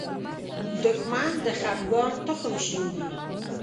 دښمن د خپګان تخم شیندي